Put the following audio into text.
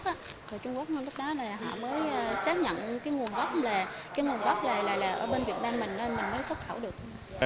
thì trung quốc lúc đó là họ mới xác nhận cái nguồn gốc là cái nguồn gốc là ở bên việt nam mình nên mình mới xuất khẩu được